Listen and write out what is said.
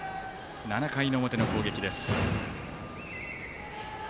７回の表の攻撃です。